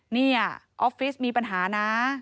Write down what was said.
นี่ออฟฟิศมีปัญหานะ